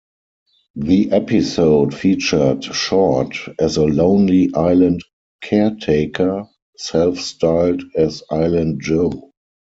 The episode featured Shortt as a lonely island caretaker, self-styled as Island Joe.